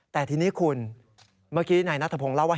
แต่ทีนี้คุณเมื่อกี้นายนัทพงศ์เล่าว่า